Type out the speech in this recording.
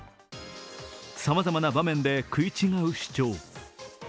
さまざまな場面で食い違う主張。